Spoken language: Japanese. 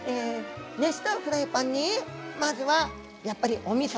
熱したフライパンにまずはやっぱりおみそですね。